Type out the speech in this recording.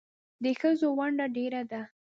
د ښځو ونډه ډېره ده